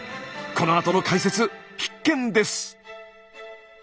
このあとの解説必見です！